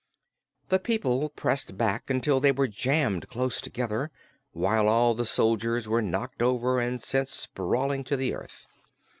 The people pressed back until they were jammed close together, while all the soldiers were knocked over and sent sprawling to the earth.